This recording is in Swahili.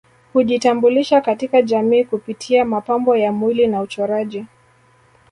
Hujitambulisha katika jamii kupitia mapambo ya mwili na uchoraji